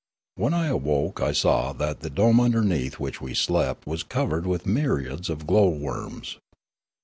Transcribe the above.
When I awoke, I saw that the dome underneath which we slept was covered with myriads of glowworms.